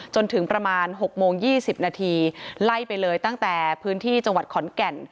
จนถึงประมาณ๖โมง๒๐นาทีไล่ไปเลยตั้งแต่พื้นที่จังหวัดขอนแก่น